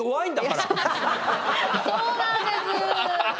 そうなんです。